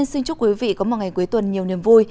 xin chúc quý vị có một ngày cuối tuần nhiều niềm vui